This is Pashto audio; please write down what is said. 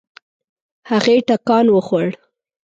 هغې ټکان وخوړ.